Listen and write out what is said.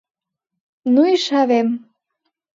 — Ну и шавем!